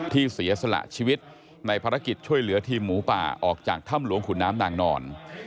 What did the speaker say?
เสียสละชีวิตในภารกิจช่วยเหลือทีมหมูป่าออกจากถ้ำหลวงขุนน้ำนางนอน